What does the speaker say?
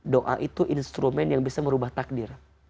doa itu instrumen yang bisa merubah takdir